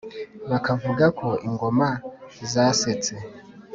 bakavuga ko Ingoma Zasetse